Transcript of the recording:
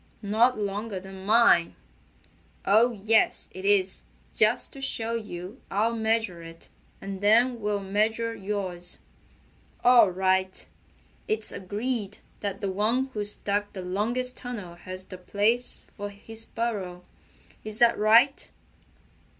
"Not longer than mine." "Oh, yes, it is. Just to show you I'll measure it, and then we'll measure yours." "All right! It's agreed that the one who's dug the longest tunnel has the place for his burrow. Is that right?"